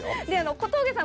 小峠さん